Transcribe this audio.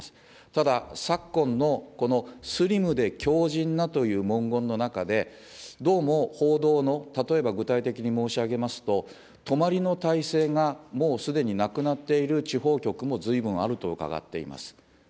ただ、昨今のこのスリムで強じんなという文言の中で、どうも報道の、例えば具体的に申し上げますと、泊まりの体制が、もうすでになくなっている地方局もずいぶんあると伺っています。